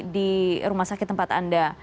di rumah sakit tempat anda